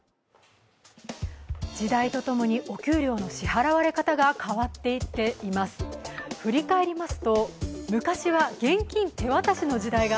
時代とともにお給料も支払われ方が変わっていっています。